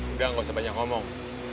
udah gak usah banyak ngomong